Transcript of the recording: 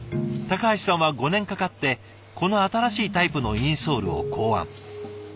橋さんは５年かかってこの新しいタイプのインソールを考案。